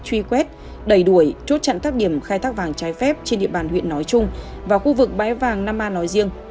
truy quét đẩy đuổi chốt chặn các điểm khai thác vàng trái phép trên địa bàn huyện nói chung và khu vực bãi vàng nam a nói riêng